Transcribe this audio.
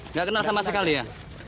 nggak kenal sama sekali ya